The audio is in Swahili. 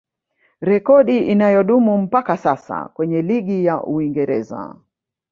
Rekodi inayodumu mpaka sasa kwenye ligi ya Uingereza